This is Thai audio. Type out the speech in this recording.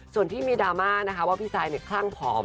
จนที่มีดราม่านะคะว่าพี่ซายเนี่ยคลั่งผอม